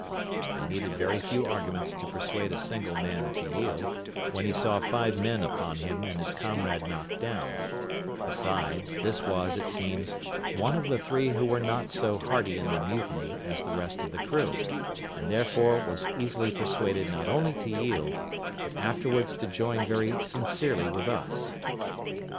They needed very few arguments to persuade a single man to yield, when he saw five men upon him and his comrade knocked down: besides, this was, it seems, one of the three who were not so hearty in the mutiny as the rest of the crew, and therefore was easily persuaded not only to yield, but afterwards to join very sincerely with us.